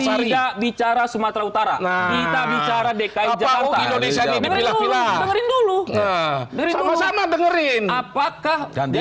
hari bicara sumatera utara nah bicara dki jakarta indonesia dulu sama sama dengerin apakah dan dia